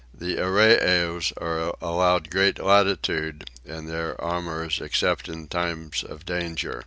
The Arreoys are allowed great latitude in their amours except in times of danger.